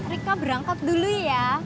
rika berangkat dulu ya